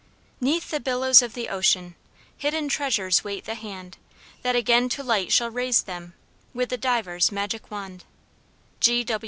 Neath the billows of the ocean, Hidden treasures wait the hand, That again to light shall raise them With the diver's magic wand.